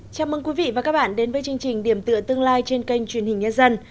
chào mừng quý vị và các bạn đến với chương trình điểm tựa tương lai trên kênh truyền hình nhân dân